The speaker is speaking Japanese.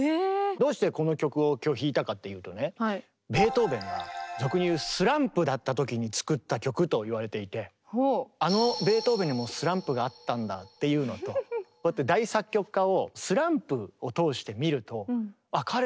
どうしてこの曲を今日弾いたかっていうとねベートーベンが俗に言うスランプだった時に作った曲といわれていてあのベートーベンにもスランプがあったんだっていうのとこうやって大作曲家を思いまして今日は題してですね